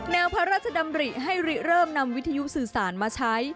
แนวพระราชดำริให้เริ่มนำวิทยุสื่อสารมาใช้